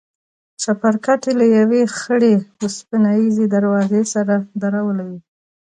چپرکټ يې له يوې خړې وسپنيزې دروازې سره درولى و.